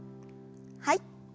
はい。